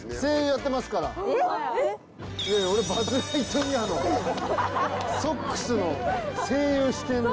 俺『バズ・ライトイヤー』のソックスの声優してんの。